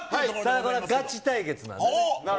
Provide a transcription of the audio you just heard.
これはガチ対決なんで。